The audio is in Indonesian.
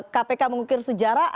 kpk mengukir sejarah